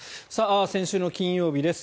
先週の金曜日です。